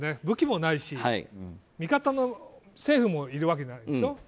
武器もないし味方の政府もいるわけじゃないでしょ。